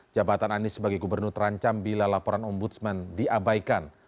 jabatan anies sebagai gubernur terancam bila laporan ombudsman diabaikan